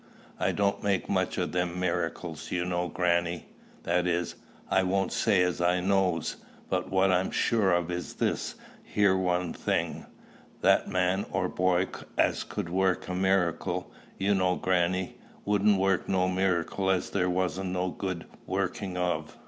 I don't make much o' them miracles, you know, grannie that is, I don't know, and what I don't know, I won't say as I knows; but what I'm sure of is this here one thing, that man or boy as could work a miracle, you know, grannie, wouldn't work no miracle as there wasn't no good working of."